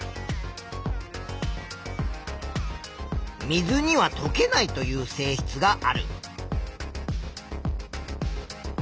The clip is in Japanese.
水にはとけないという性質がある。